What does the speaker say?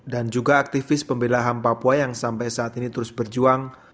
dan juga aktivis pembelahan papua yang sampai saat ini terus berjuang